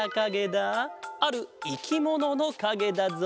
あるいきもののかげだぞ。